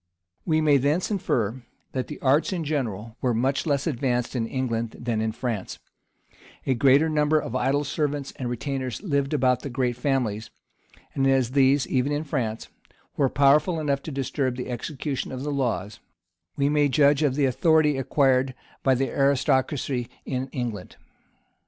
We may thence infer, that the arts in general were much less advanced in England than in France: a greater number of idle servants and retainers lived about the great families; and as these, even in France, were powerful enough to disturb the execution of the laws, we may judge of the authority acquired by the aristocracy in England.